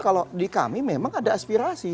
kalau di kami memang ada aspirasi